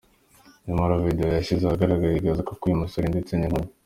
nyamara video yashyize ahagaragara igaragaza koko uyu musore ndetse ninkumi.